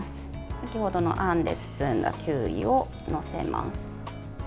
先ほどのあんで包んだキウイを載せます。